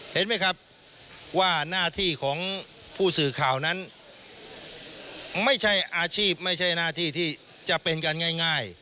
เห็นไหมครับว่าหน้าที่ของผู้สื่อข่าวนั้นไม่ใช่อาชีพไม่ใช่หน้าที่ที่จะเป็นกันง่าย